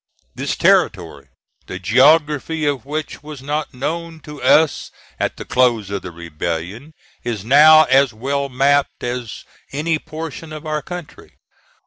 This territory, the geography of which was not known to us at the close of the rebellion, is now as well mapped as any portion of our country.